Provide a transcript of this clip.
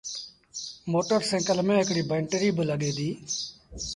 موٽر سآئيٚڪل ميݩ هڪڙيٚ بئيٽريٚ با لڳي ديٚ۔